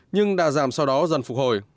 nhưng đà giảm sau đó dần phục hồi